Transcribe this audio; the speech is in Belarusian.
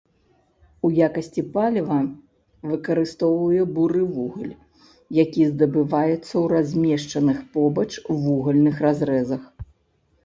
У якасці паліва выкарыстоўвае буры вугаль, які здабываецца ў размешчаных побач вугальных разрэзах.